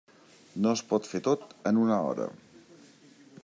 No es pot fer tot en una hora.